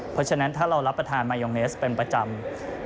เพราะฉะนั้นถ้าเรารับประทานมายองเนสเป็นประจำ